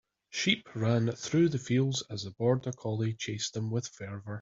Sheep ran through the fields as the border collie chased them with fervor.